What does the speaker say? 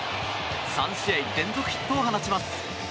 ３試合連続ヒットを放ちます。